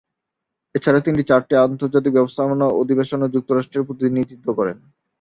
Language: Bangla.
এছাড়া তিনি চারটি আন্তর্জাতিক ব্যবস্থাপনা অধিবেশনে যুক্তরাষ্ট্রের প্রতিনিধিত্ব করেন।